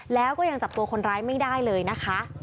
แล้วก็ยังจับตัวคนร้ายไม่ได้เลยนะคะ